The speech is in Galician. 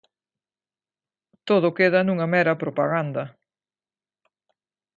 Todo queda nunha mera propaganda.